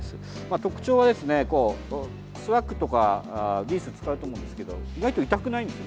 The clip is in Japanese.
特徴は、スワッグとかリースで使うと思うんですけど意外と痛くないんです。